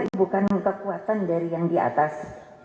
itu bukan kekuatan dari yang di atas